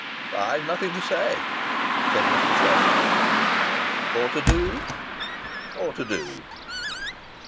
"I've nothing to say," said Mr. Slosson. "Or to do?" "Or to do."